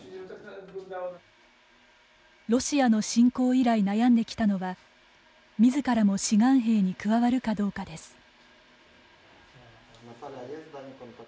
ロシアの侵攻以来悩んできたのは、みずからも志願兵に加わるかどうかです。